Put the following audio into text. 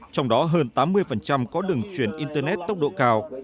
trong đó hơn tám mươi có đường truyền internet tốc độ cao